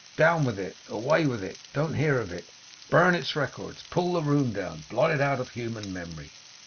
Down with it! Away with it! Don't hear of it! Burn its records! Pull the room down! Blot it out of human memory!